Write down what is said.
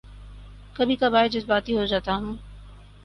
کبھی کبھار جذباتی ہو جاتا ہوں